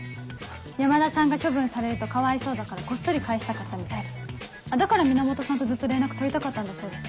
山田さんが処分されるとかわいそうだからこっそり返したかったみたいでだから源さんとずっと連絡取りたかったんだそうです。